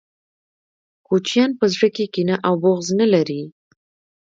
کوچنیان په زړه کي کینه او بغض نلري